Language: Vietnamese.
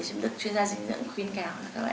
chúng tôi là chuyên gia dành dưỡng khuyên cao